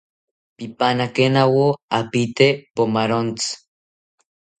Pipanakenawo apiite pomarontzi